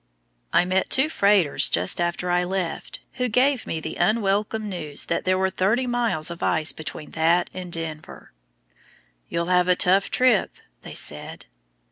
I met two freighters just after I left, who gave me the unwelcome news that there were thirty miles of ice between that and Denver. "You'll have a tough trip," they said.